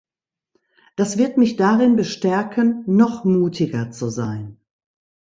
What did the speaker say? Das wird mich darin bestärken, noch mutiger zu sein.